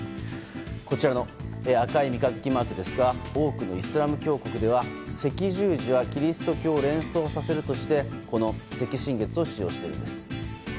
こちらの赤い三日月マークですが多くのイスラム教国では赤十字はキリスト教を連想させるとしてこの赤新月を使用しているんです。